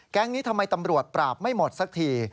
นี้ทำไมตำรวจปราบไม่หมดสักที